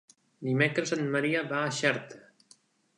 Dimecres en Maria va a Xerta.